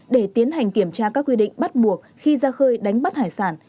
để tiến hành kiểm tra các quy định bắt buộc khi ra khơi đánh bắt hải sản